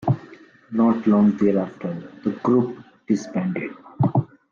Not long thereafter, the group disbanded.